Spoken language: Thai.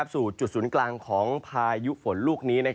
สู่จุดศูนย์กลางของพายุฝนลูกนี้